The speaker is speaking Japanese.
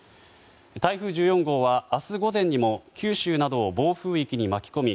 台風１４号は明日午前にも九州などを暴風域に巻き込み